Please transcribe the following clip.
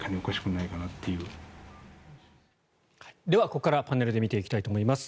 ここからパネルで見ていきたいと思います。